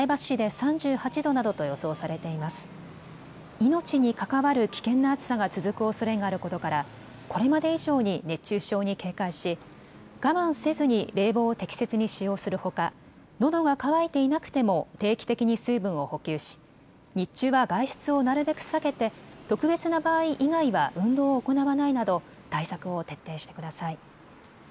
命に関わる危険な暑さが続くおそれがあることからこれまで以上に熱中症に警戒し我慢せずに冷房を適切に使用するほか、のどが渇いていなくても定期的に水分を補給し日中は外出をなるべく避けて特別な場合以外は運動を行わないなど対策を徹底してください。